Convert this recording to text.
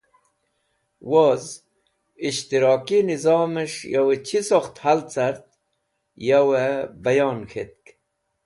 Woz Ishtraki Nizames̃h yave chisokht Hal cart, yavev bayon k̃hetk.